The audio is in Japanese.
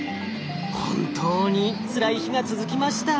本当につらい日が続きました。